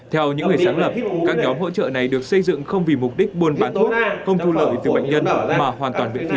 theo những người sáng lập các nhóm hỗ trợ này được xây dựng không vì mục đích buôn bán thuốc không thu lợi từ bệnh nhân mà hoàn toàn miễn phí